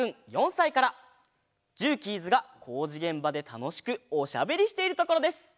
ジューキーズがこうじげんばでたのしくおしゃべりしているところです。